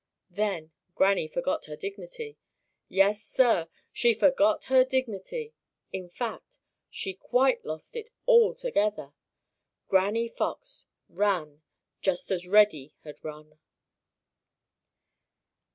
Then Granny forgot her dignity. Yes, Sir, she forgot her dignity. In fact, she quite lost it altogether. Granny Fox ran just as Reddy had run!